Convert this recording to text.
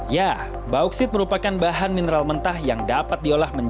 ya bauksit merupakan bahan mineral mentah yang dapat diolah menjadi